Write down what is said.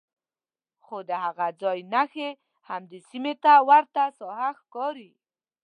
خو د هغه ځای نښې همدې سیمې ته ورته ساحه ښکاري.